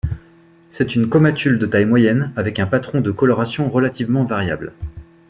C'est une comatule de taille moyenne, avec un patron de coloration relativement variable.